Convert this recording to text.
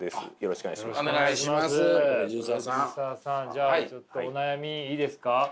じゃあちょっとお悩みいいですか？